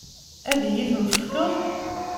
Ad iyi-ten-tefkeḍ?